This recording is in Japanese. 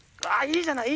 いいじゃない。